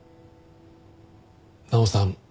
奈央さん